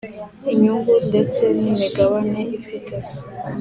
Inyungu ndetse n imigabane ifite